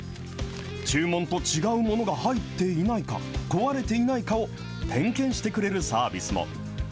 注文と違うものが入っていないか、壊れていないかを点検してくれるサービスも。